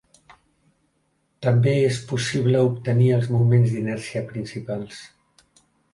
També és possible obtenir els moments d'inèrcia principals.